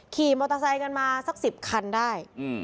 ขี่มอเตอร์ไซน์กันมาสักสิบคันได้อืม